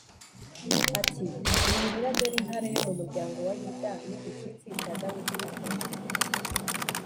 ati “Wirira dore Intare yo mu muryango wa Yuda n’Igishyitsi cya Dawidi aranesheje,